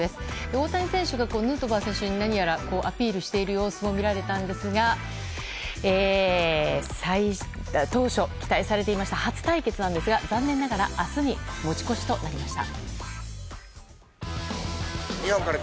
大谷選手がヌートバー選手に何やらアピールしている様子も見られたんですが当初期待されていた初対決は残念ながら明日に持ち越しとなりました。